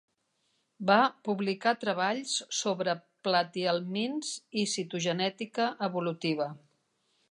Va publicar treballs sobre platihelmints i citogenètica evolutiva.